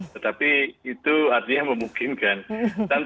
tetapi itu artinya memungkinkan